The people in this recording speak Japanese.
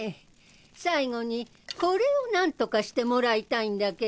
最後にこれをなんとかしてもらいたいんだけど。